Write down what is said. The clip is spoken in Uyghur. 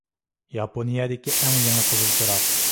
ياپونىيەدىكى ئەڭ يېڭى قىزىل چىراغ.